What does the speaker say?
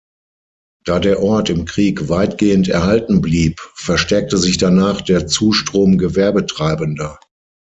Da der Ort im Krieg weitgehend erhalten blieb, verstärkte sich danach der Zustrom Gewerbetreibender.